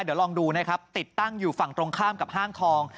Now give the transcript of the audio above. เดี๋ยวลองดูนะครับติดตั้งอยู่ฝั่งตรงข้ามกับห้างทอง